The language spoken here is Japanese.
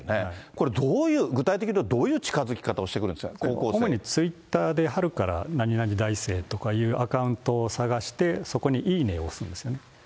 これ、どういう、具体的にどういう近づき方をしてくるんですか、主にツイッターで、春から何々大生というアカウントを探して、そこにいいねを押すんですね。